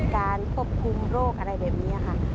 การควบคุมโรคอะไรแบบนี้ค่ะ